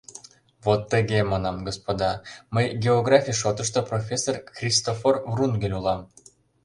— Вот тыге, — манам, — господа: мый географий шотышто профессор Христофор Врунгель улам.